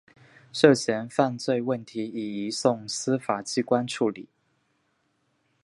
涉嫌犯罪问题已移送司法机关处理。